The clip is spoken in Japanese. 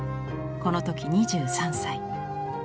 この時２３歳。